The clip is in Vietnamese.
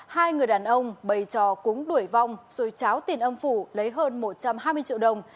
hai người đàn ông bày trò cúng đuổi vong rồi cháo tiền âm phủ lấy hơn một trăm hai mươi triệu đồng